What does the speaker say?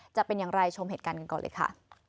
จะเป็นอย่างไรชมเหตุการณ์กันก่อนเลยค่ะ